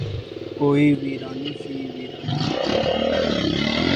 کوئی ویرانی سی ویرانی ہے